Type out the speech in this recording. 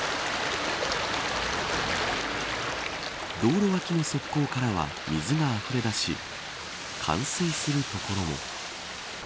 道路脇の側溝からは水があふれ出し冠水するところも。